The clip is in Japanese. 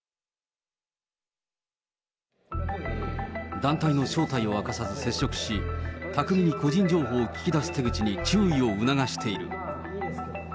団体の正体を明かさず接触し、巧みに個人情報を聞き出す手口に注意を促している。